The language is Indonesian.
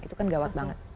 itu kan gawat banget